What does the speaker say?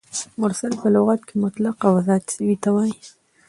مرسل په لغت کښي مطلق او آزاد سوي ته وايي.